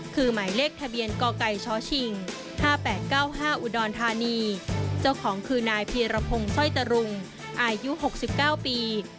คือหมายเลขทะเบียนกไก่ชชิง๕๘๙๕อุดรธานีเจ้าของคือนายพีรพงศ์สร้อยจรุงอายุ๖๙ปี